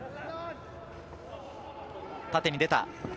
縦に出た。